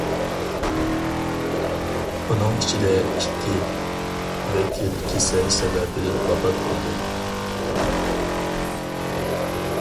ئۇنىڭ ئىچىدە ئىككى ۋەكىل كېسەل سەۋەبىدىن ۋاپات بولدى.